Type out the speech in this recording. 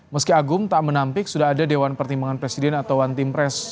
meski agung tak menampik sudah ada dewan pertimbangan presiden atau one team press